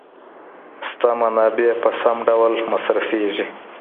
شته منابع په سم ډول مصرفیږي.